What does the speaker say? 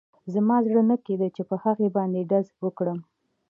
زما زړه نه کېده چې په هغه باندې ډز وکړم